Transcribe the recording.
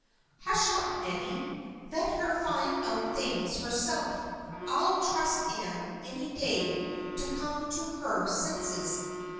Hush up, Neddy. Let her find out things her self. I'll trust Anne any day to come to her senses.